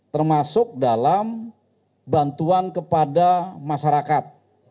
termasuk dalam bantuan kepada masyarakat